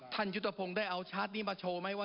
ยุทธพงศ์ได้เอาชาร์จนี้มาโชว์ไหมว่า